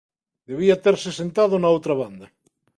Debía terse sentado na outra banda.